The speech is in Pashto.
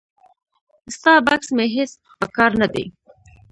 ستا بکس مې هیڅ په کار نه دی.